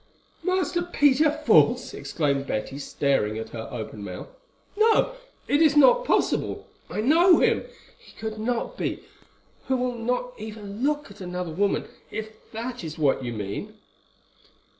"Master Peter false!" exclaimed Betty, staring at her open mouthed. "No, it is not possible. I know him; he could not be, who will not even look at another woman, if that is what you mean."